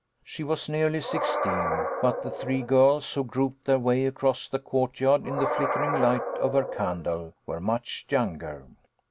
She was nearly sixteen, but the three girls who groped their way across the courtyard in the flickering light of her candle were much younger.